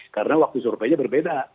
karena waktu surveinya berbeda